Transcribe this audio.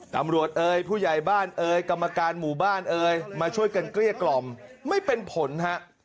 เอ่ยผู้ใหญ่บ้านเอ่ยกรรมการหมู่บ้านเอ๋ยมาช่วยกันเกลี้ยกล่อมไม่เป็นผลฮะ